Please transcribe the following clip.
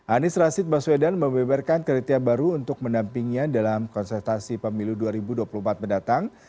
anies rashid baswedan membeberkan kriteria baru untuk mendampingnya dalam konsultasi pemilu dua ribu dua puluh empat mendatang